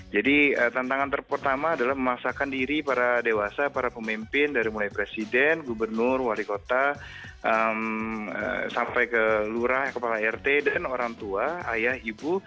jadi tantangan terpertama adalah memaksakan diri para dewasa para pemimpin dari mulai presiden gubernur wali kota sampai ke lurah kepala rt dan orang tua ayah ibu